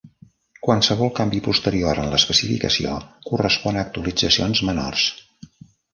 Qualsevol canvi posterior en l'especificació correspon a actualitzacions menors.